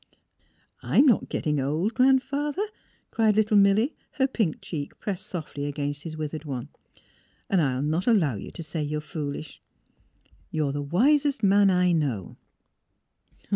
I'm not getting old, Gran 'father," cried little Milly, her pink cheek pressed softly against his withered one. " And I'll not allow you to say you're foolish. You're the wisest man I know."